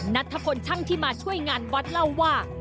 นัทธพลช่างที่มาช่วยงานวัดเล่าว่า